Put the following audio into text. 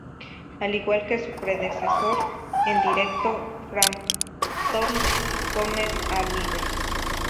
Al igual que su predecesor en directo "Frampton Comes Alive!